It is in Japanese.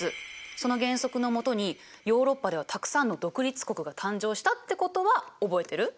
その原則の下にヨーロッパではたくさんの独立国が誕生したってことは覚えてる？